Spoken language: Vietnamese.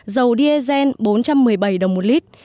dầu diesel bốn trăm một mươi bảy đồng một lít